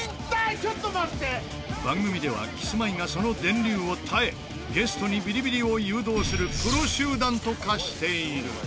番組ではキスマイがその電流を耐えゲストにビリビリを誘導するプロ集団と化している。